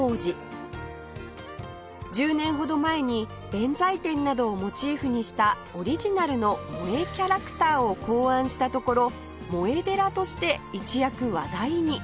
１０年ほど前に弁財天などをモチーフにしたオリジナルの萌えキャラクターを考案したところ萌え寺として一躍話題に